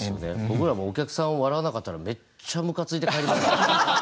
僕らもうお客さん笑わなかったらめっちゃムカついて帰りますけどね。